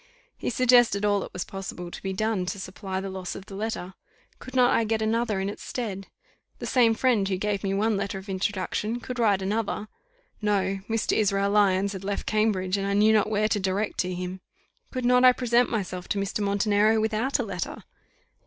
He suggested all that was possible to be done to supply the loss of the letter. Could not I get another in its stead? The same friend who gave me one letter of introduction could write another. No; Mr. Israel Lyons had left Cambridge, and I knew not where to direct to him. Could not I present myself to Mr. Montenero without a letter?